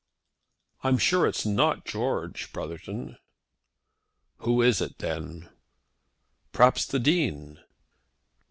"I'm sure it's not George, Brotherton." "Who is it, then?" "Perhaps it's the Dean."